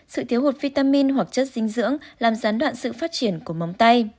sự thiếu hụt vitamin hoặc chất dinh dưỡng làm gián đoạn sự phát triển của móng tay